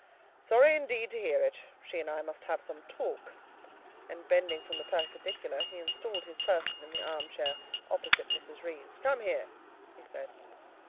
"Sorry indeed to hear it! she and I must have some talk;" and bending from the perpendicular, he installed his person in the arm chair opposite Mrs. Reed's. "Come here," he said.